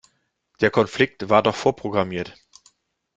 Der Konflikt war doch vorprogrammiert.